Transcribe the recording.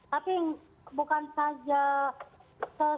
tapi bukan saja social distancing yang bisa mencegah